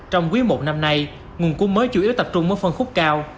trong quý một năm nay nguồn cung mới chủ yếu tập trung ở phân khúc cao